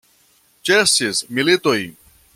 Ĉesis militoj!